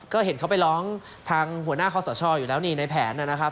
ก็เห็นเขาไปร้องทางหัวหน้าคอสชอยู่แล้วนี่ในแผนนะครับ